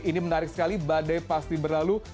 ini menarik sekali badai pasti berlalu